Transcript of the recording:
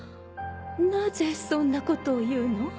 なぜそんなことを言うの？